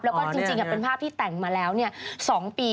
แล้วก็จริงเป็นภาพที่แต่งมาแล้ว๒ปี